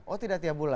oh tidak tiap bulan